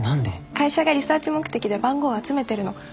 会社がリサーチ目的で番号集めてるの。